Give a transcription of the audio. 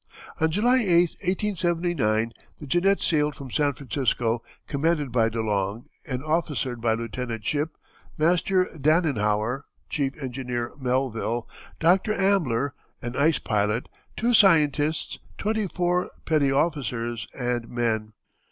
On July 8, 1879, the Jeannette sailed from San Francisco, commanded by De Long, and officered by Lieutenant Chipp, Master Danenhower, Chief Engineer Melville, Doctor Ambler, an ice pilot, two scientists, twenty four petty officers and men.